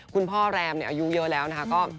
คุณพ่อแรมอายุเยอะแล้วนะคะ